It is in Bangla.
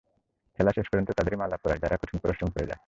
খেলা শেষ পর্যন্ত তাদেরই মালা পরায়, যারা কঠিন পরিশ্রম করে যায়।